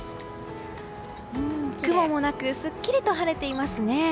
雲もなくすっきりと晴れていますね。